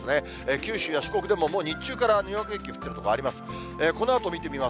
九州や四国でも、もう日中からにわか雪降っている所あります。